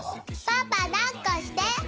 パパ抱っこして。